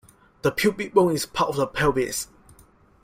The pubic bone is part of the pelvis.